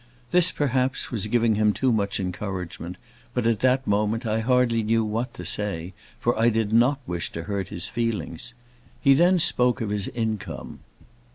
This, perhaps, was giving him too much encouragement; but, at that moment, I hardly knew what to say, for I did not wish to hurt his feelings. He then spoke of his income.